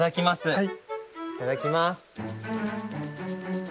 はい。